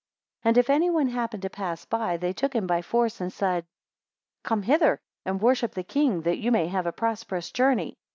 3 And if any one happened to pass by, they took him by force, and said, Come hither, and worship the king, that you may have a prosperous journey.